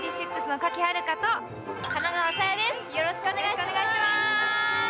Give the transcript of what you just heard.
よろしくお願いします